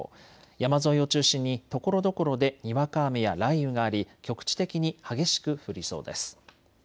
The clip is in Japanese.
山沿いを中心にところどころでにわか雨や雷雨があり局地的に激しく降りそうです。